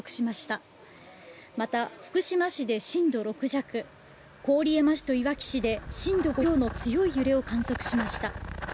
また、福島市で震度６弱郡山市といわき市で震度５強の強い揺れを観測しました。